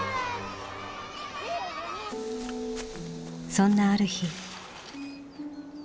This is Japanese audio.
そんなある日。